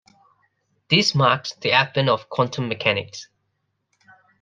This marks the advent of quantum mechanics.